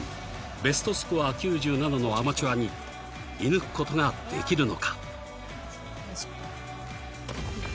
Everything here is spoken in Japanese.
ベストスコア９７のアマチュアに射ぬくことができるのか？